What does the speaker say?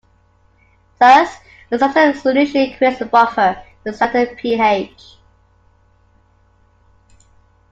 Thus, a saturated solution creates a buffer with standard pH.